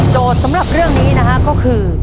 โดดสำหรับเรื่องนี้นะครับก็คือ